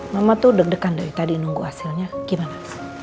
mama tuh deg degan dari tadi nunggu hasilnya gimana